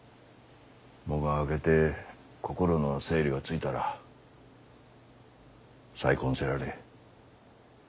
喪が明けて心の整理がついたら再婚せられえ。